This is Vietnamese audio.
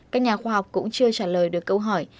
các nhà khoa học cũng chưa trả lời được câu hỏi